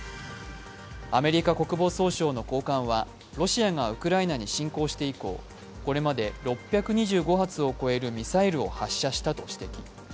アメリカ国防総省の高官はロシアがウクライナに侵攻して以降、これまで６２５発を超えるミサイルを発射したと指摘。